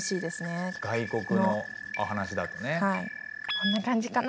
こんな感じかな？